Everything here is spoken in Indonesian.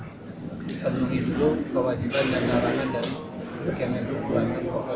dipenuhi dulu kewajiban dan larangan dari kementerian perhubungan